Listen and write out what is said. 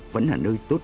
vẫn là nơi tốt